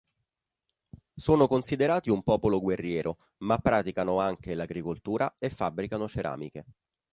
Sono considerati un popolo guerriero ma praticano anche l'agricoltura e fabbricano ceramiche.